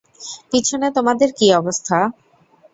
পিছনে তোমাদের কী অবস্থা?